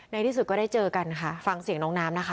ที่สุดก็ได้เจอกันค่ะฟังเสียงน้องน้ำนะคะ